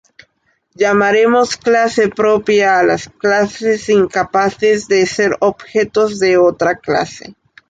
Llamaremos "clase propia" a las clases incapaces de ser objetos de otra clase.